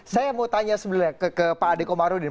saya mau tanya sebenarnya ke pak ade komarudin